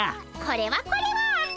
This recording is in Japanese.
これはこれは。